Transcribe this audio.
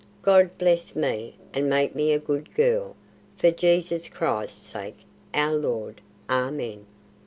God bless me, and make me a good girl, for Jesus Christ's sake, our Lord. Amen."